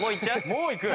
もういく？